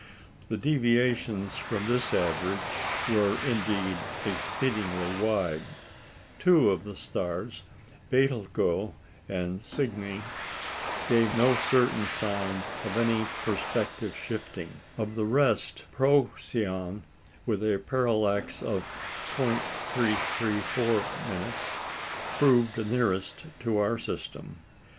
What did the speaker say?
The deviations from this average were, indeed, exceedingly wide. Two of the stars, Betelgeux and Alpha Cygni, gave no certain sign of any perspective shifting; of the rest, Procyon, with a parallax of 0·334", proved the nearest to our system.